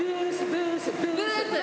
ブース！